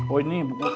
oh ini buku kakek